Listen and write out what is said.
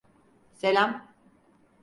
SeIam.